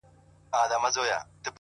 زما کار نسته بُتکده کي؛ تر کعبې پوري ـ